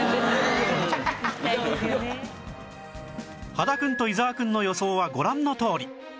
羽田くんと伊沢くんの予想はご覧のとおり